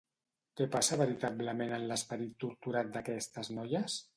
Què passa veritablement en l'esperit torturat d'aquestes noies?